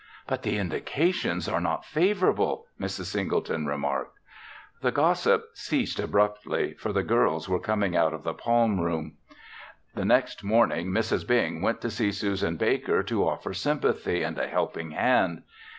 "But the indications are not favorable," Mrs. Singleton remarked. The gossip ceased abruptly, for the girls were coming out of the Palm Room. The next morning, Mrs. Bing went to see Susan Baker to offer sympathy and a helping hand.